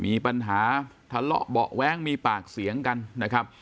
มีปัญหาทะเลาะเบาะแว้งมีปากเสียงกันนะครับ